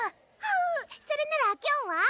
はうそれなら今日は？